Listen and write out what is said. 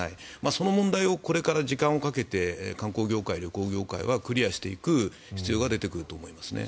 その問題をこれから時間をかけて観光業界、旅行業界はクリアしていく必要が出てくると思いますね。